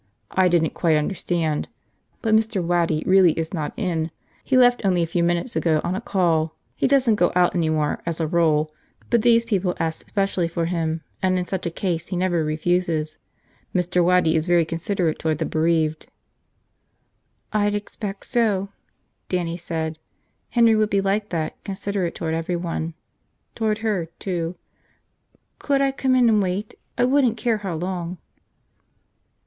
"I didn't quite understand. But Mr. Waddy really is not in. He left only a few minutes ago on a call. He doesn't go out any more, as a rule, but these people asked specially for him, and in such a case he never refuses. Mr. Waddy is very considerate toward the bereaved." "I'd expect so," Dannie said. Henry would be like that, considerate toward everyone. Toward her, too. "Could I come in and wait? I wouldn't care how long!"